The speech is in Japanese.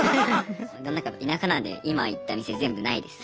田舎なんで今言った店全部ないです。